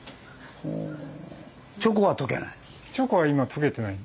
チョコはとけない。